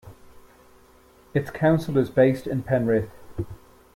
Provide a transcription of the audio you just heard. Its council is based in Penrith.